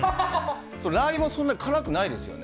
ラー油もそんなに辛くないですよね。